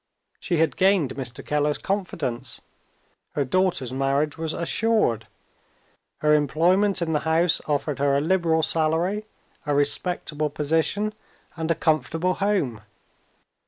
She had gained Mr. Keller's confidence; her daughter's marriage was assured; her employment in the house offered her a liberal salary, a respectable position, and a comfortable home.